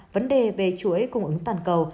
vấn đề về chuỗi cung ứng toàn cầu